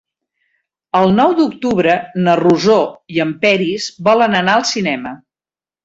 El nou d'octubre na Rosó i en Peris volen anar al cinema.